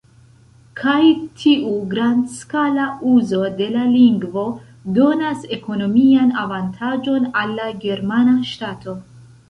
Kaj tiu grandskala uzo de la lingvo donas ekonomian avantaĝon al la germana ŝtato.